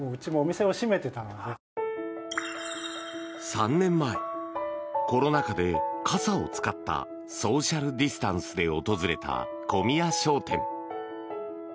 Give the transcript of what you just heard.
３年前、コロナ禍で傘を使ったソーシャルディスタンスで訪れた小宮商店。